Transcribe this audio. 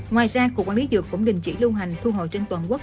ngoài ra cục quản lý dược cũng đình chỉ lưu hành thu hồi trên toàn quốc